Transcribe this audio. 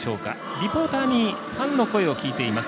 リポーターにファンの声を聞いています。